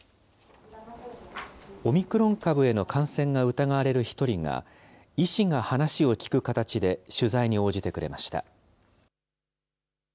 オミクロン株への感染が疑われる１人が、医師が話を聞く形で取材に応じてくれました。